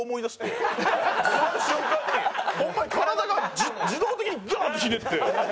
座る瞬間にホンマに体が自動的にガッてひねって。